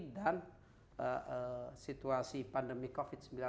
dan situasi pandemi covid sembilan belas